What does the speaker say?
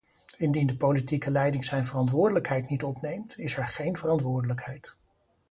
Indien de politieke leiding zijn verantwoordelijkheid niet opneemt, is er geen verantwoordelijkheid.